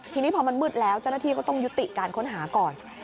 ทีนี้พอมันมืดแล้วเจ้าหน้าที่ก็ต้องยุติการค้นหาก่อน